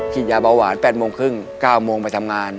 ยาเบาหวาน๘โมงครึ่ง๙โมงไปทำงาน